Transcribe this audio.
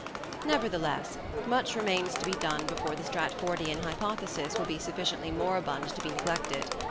Nevertheless, much remains to be done before the Stratfordian hypothesis will be sufficiently moribund to be neglected.